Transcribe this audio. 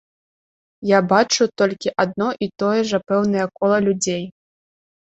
Я бачу толькі адно і тое жа пэўнае кола людзей.